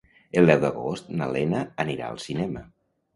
El deu d'agost na Lena anirà al cinema.